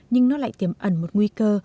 nhưng nó lại tiềm ẩn một nguy cơ